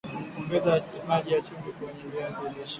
ongeza maji na chumvi kwenye viazi lishe